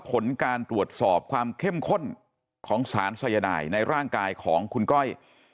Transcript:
ผลการตรวจสอบความเข้มข้นของสารสายนายในร่างกายของคุณก้อย